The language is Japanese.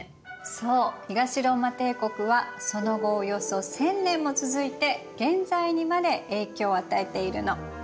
そう東ローマ帝国はその後およそ１，０００年も続いて現在にまで影響を与えているの。